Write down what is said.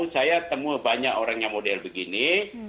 saya temu banyak orang yang model begini